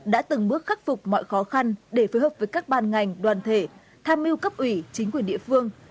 đã từng bước khắc phục mọi khó khăn để phối hợp với các ban ngành đoàn thể tham mưu cấp ủy chính quyền địa phương